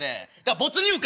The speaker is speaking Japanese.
没入感。